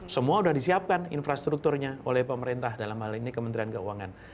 semua sudah disiapkan infrastrukturnya oleh pemerintah dalam hal ini kementerian keuangan